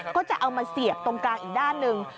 ก็จะเอามาเสียบตรงกลางอีกด้านหนึ่ง